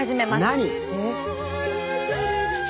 何？